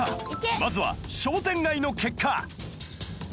まずは商店街の結果